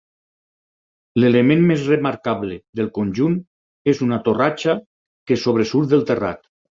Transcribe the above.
L'element més remarcable del conjunt és una torratxa que sobresurt del terrat.